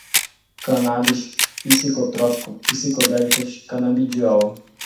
cannabis, psicotrópico, psicodélicas, canabidiol